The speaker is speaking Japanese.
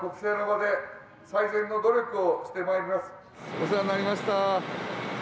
お世話になりました。